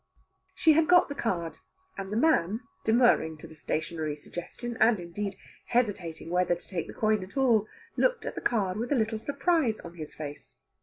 She had got the card, and the man, demurring to the stationery suggestion, and, indeed, hesitating whether to take the coin at all, looked at the card with a little surprise on his face.